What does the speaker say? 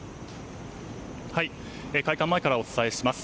会館前からお伝えします。